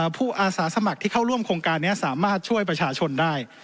อาสาสมัครที่เข้าร่วมโครงการนี้สามารถช่วยประชาชนได้